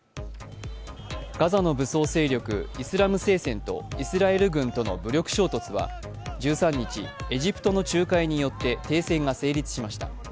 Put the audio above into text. ガザの武装勢力、イスラム聖戦とイスラエル軍との武力衝突は１３日、エジプトの仲介によって停戦が成立しました。